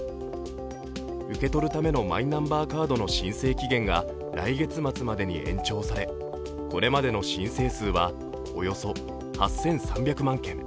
受け取るためのマイナンバーカードの申請期限が来月末までに延長され、これまでの申請数はおよそ８３００万件。